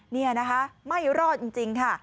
นี่นะคะไม่รอดจริงค่ะ